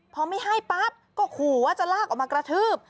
พอไม่ให้ปั๊บก็ขู่ว่าจะลากออกมากระทืบ